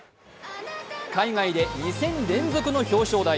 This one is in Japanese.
海外で２戦連続の表彰台。